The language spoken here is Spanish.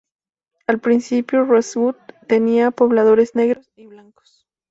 Al principio Rosewood tenía pobladores negros y blancos.